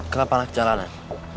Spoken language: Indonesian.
kenapa malah ke jalanan